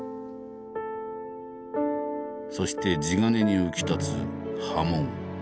そして地鉄に浮き立つ刃文。